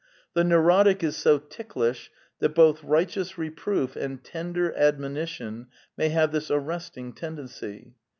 The neurotic is so ticklish that both right eous reproof and tender admonition may have this arrest ing tendency.